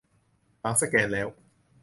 หลังสแกนแล้ว